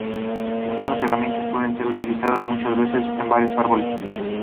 La misma herramienta puede ser utilizada muchas veces en varios árboles.